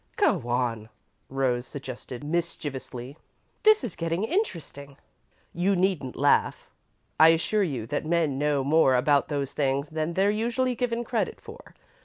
"Go on," Rose suggested mischievously. "This is getting interesting." "You needn't laugh. I assure you that men know more about those things than they're usually given credit for.